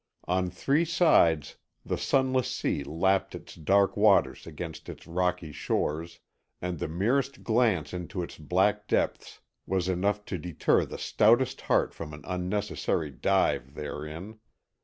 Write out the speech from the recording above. On three sides, the Sunless Sea lapped its dark waters against its rocky shores, and the merest glance into its black depths was enough to deter the stoutest heart from an unnecessary dive therein.